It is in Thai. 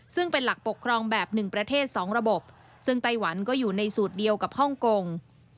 ซึ่งเป็นหลักปกครองแบบ๑ประเทศ๒ระบบซึ่งไต้หวันก็อยู่ในสูตรเดียวกับฮ่องกง